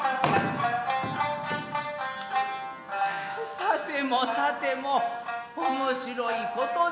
さてもさても面白いことでおりゃる。